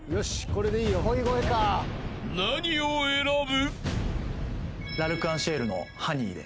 ［何を選ぶ？］